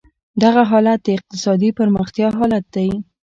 دغه حالت د اقتصادي پرمختیا حالت دی.